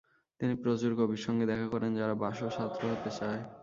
তিনি প্রচুর কবির সঙ্গে দেখা করেন যারা বাসোর ছাত্র হতে চায়।